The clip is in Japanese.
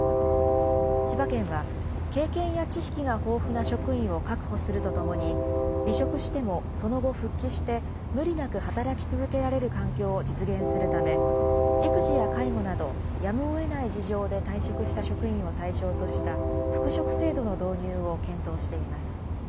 千葉県は、経験や知識が豊富な職員を確保するとともに、離職しても、その後復帰して、無理なく働き続けられる環境を実現するため、育児や介護など、やむをえない事情で退職した職員を対象とした復職制度の導入を検討しています。